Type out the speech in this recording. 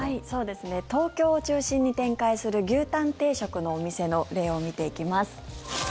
東京を中心に展開する牛タン定食のお店の例を見ていきます。